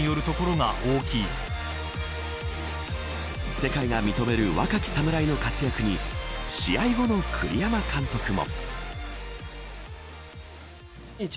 世界が認める若き侍の活躍に試合後の栗山監督も。